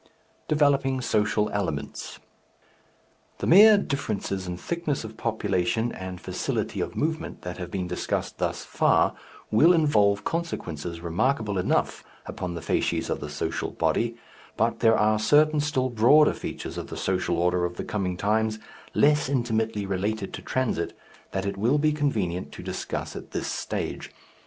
III DEVELOPING SOCIAL ELEMENTS The mere differences in thickness of population and facility of movement that have been discussed thus far, will involve consequences remarkable enough, upon the facies of the social body; but there are certain still broader features of the social order of the coming time, less intimately related to transit, that it will be convenient to discuss at this stage.